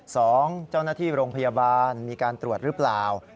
สองเจ้าหน้าที่โรงพยาบาลมีการตรวจหรือเปล่า